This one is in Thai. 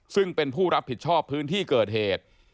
ซึ่งเป็นผู้รับผิดชอบพื้นที่เกิดเหตุ